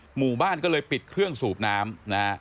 หมู่บ้านก็เลยปิดเครื่องสูบน้ำนะฮะ